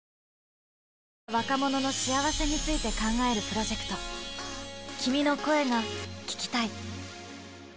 若者の幸せについて考えるプロジェクト「君の声が聴きたい」。